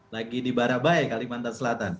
lagi di barabai kalimantan selatan